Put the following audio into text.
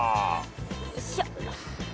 よいしょ。